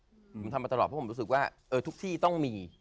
ผมทำมาตลอดเพราะผมรู้สึกว่าทุกที่ต้องมี